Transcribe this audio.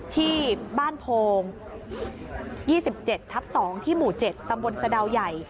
ที่บ้านโพง๒๗ทับ๒ที่หมู่๗ตำบลสะดาวใหญ่